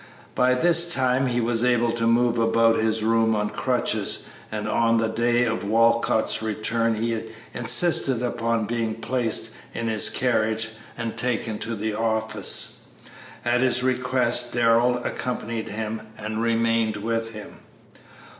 By this time he was able to move about his room on crutches, and on the day of Walcott's return he insisted upon being placed in his carriage and taken to the office. At his request Darrell accompanied him and remained with him.